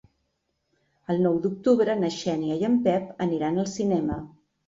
El nou d'octubre na Xènia i en Pep aniran al cinema.